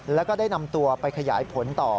แล้วก็ได้นำตัวไปขยายผลต่อ